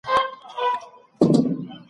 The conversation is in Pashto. سلطنتونه ړنګیږي خو نیک نوم پاته کیږي.